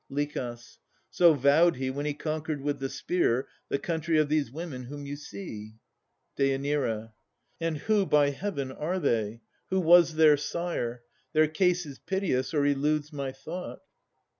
LICH. So vowed he when he conquered with the spear The country of these women whom you see. DÊ. And who, by Heaven, are they? Who was their sire? Their case is piteous, or eludes my thought.